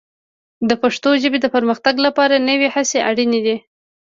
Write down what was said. د پښتو ژبې د پرمختګ لپاره نوې هڅې اړینې دي.